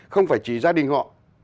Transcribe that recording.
không phải chỉ gia đình họ